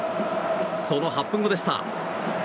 その８分後でした。